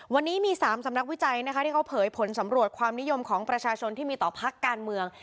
วันนี้มี๓สำนักวิจัยนะคะที่เขาเผยผลสำรวจความนิยมของประชาชนที่มีต่อพักการเมือง